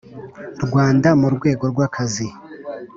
Rwanda mu rwego rw akazi